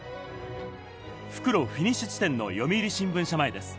復路フィニッシュ地点の読売新聞社前です。